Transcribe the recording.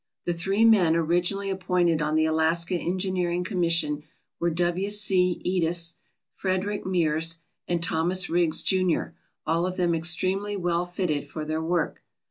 The three men originally appointed on the Alaska En gineering Commission were W. C. Edes, Frederick Mears, arid Thomas Riggs, Jr., all of them extremely well fitted for their work.